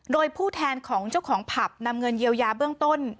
โดยผู้แทนของเจ้าของผับนำเงินเยียวยาเบื้องต้น